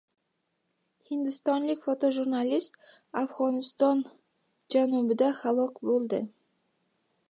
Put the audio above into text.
Hindistonlik fotojurnalist Afg‘oniston janubida halok bo‘ldi